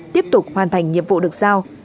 tiếp tục hoàn thành nhiệm vụ được sao